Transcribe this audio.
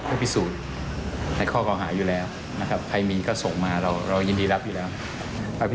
นายพีชเขาก็มีติดต่อมาแล้วประมาณกี่ล้านครับ